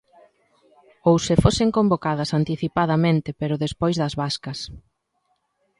Ou se fosen convocadas anticipadamente pero despois das vascas.